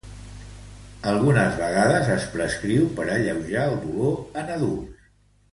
Algunes vegades es prescriu per alleujar el dolor en adults.